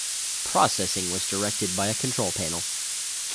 Processing was directed by a control panel.